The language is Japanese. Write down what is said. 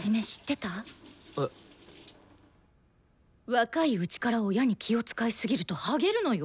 若いうちから親に気を遣いすぎるとはげるのよ。